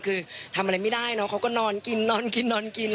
คือทำอะไรไม่ได้เนอะเขาก็นอนกินนอนกินนอนกิน